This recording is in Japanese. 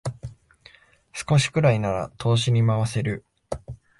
少しくらいなら投資に回せる